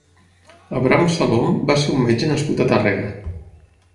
Abram Salom va ser un metge nascut a Tàrrega.